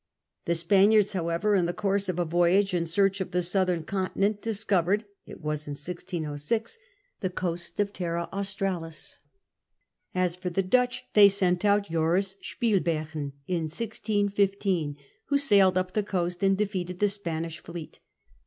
The Spaniards, however, in the course of a voyage in search of the southern continent dis covered — it was in 1606 — ^thc coast of Terra Australis, As for the Dutch, they sent out Joris Spilbergen in 1615, who sailed up the coast and defeated the Spanish fleet.